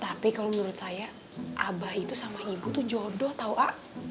tapi kalau menurut saya abah itu sama ibu tuh jodoh tau a